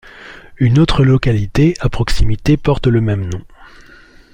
Une autre localité, à proximité, porte le même nom.